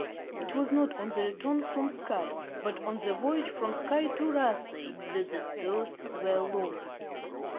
[G 4] It was not on the return from Sky, but on the voyage from Sky to Rasay, that the spurs were lost.